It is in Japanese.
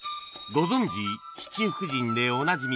ご存じ七福神でおなじみ